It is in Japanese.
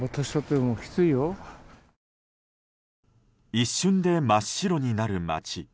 一瞬で真っ白になる街。